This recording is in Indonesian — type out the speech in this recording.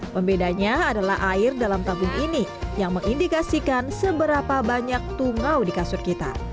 pembedanya adalah air dalam tabung ini yang mengindikasikan seberapa banyak tungau di kasur kita